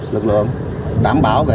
lực lượng đảm bảo về